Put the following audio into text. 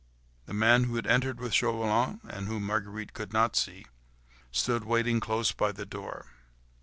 The man who had entered with Chauvelin and whom Marguerite could not see, stood waiting close by the door.